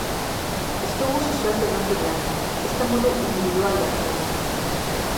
Ez dugu sozialki onartu behar, ezta modu indibidualean ere.